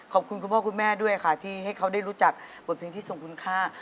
ขอบคุณคุณพ่อคุณแม่ด้วยค่ะที่ให้เขาได้รู้จักบทเพลงที่ทรงคุณค่า